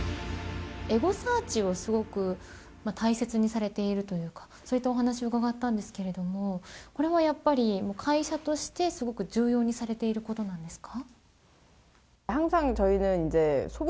エゴサーチをすごく大切にされているというかそういう話を伺ったんですけれどもこれはやっぱり会社としてやはり重要にされていることなんですか。